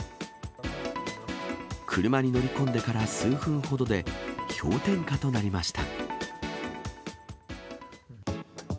車に乗り込んでから数分ほどで、氷点下となりました。